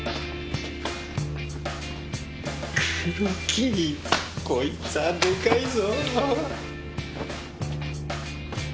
黒木こいつはでかいぞ。